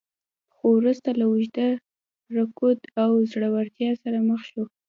خو وروسته له اوږده رکود او ځوړتیا سره مخ شو.